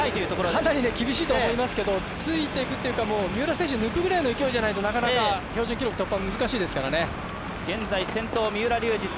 かなり厳しいと思いますけどついていくというか三浦選手を抜くくらいの勢いじゃないと、標準記録、厳しいですからね。